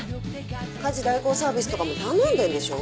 家事代行サービスとかも頼んでんでしょ？